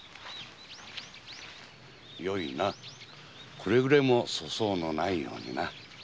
くれぐれも粗相のないようにな。